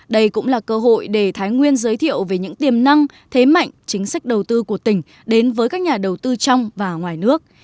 đây cũng là cơ hội để thái nguyên giới thiệu về những tiềm năng thế mạnh chính sách đầu tư của tỉnh đến với các nhà đầu tư trong và ngoài nước